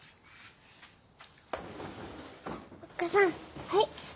おっ母さんはい。